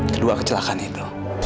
kedua kecelakaan itu